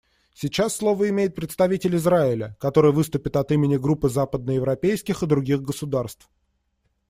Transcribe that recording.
Сейчас слово имеет представитель Израиля, который выступит от имени Группы западноевропейских и других государств.